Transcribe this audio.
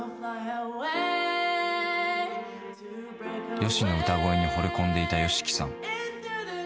ＹＯＳＨＩの歌声にほれ込んでいたＹＯＳＨＩＫＩさん。